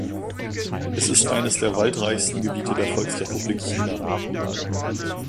Es ist eines der waldreichsten Gebiete der Volksrepublik China.